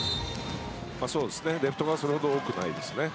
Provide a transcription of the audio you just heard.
レフト側それほど多くないですね。